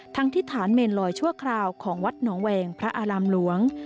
ที่ฐานเมนลอยชั่วคราวของวัดหนองแวงพระอารามหลวง